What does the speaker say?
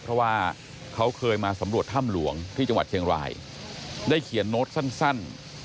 เพราะว่าเขาเคยมาสำรวจถ้ำหลวงที่จังหวัดเชียงรายได้เขียนโน้ตสั้น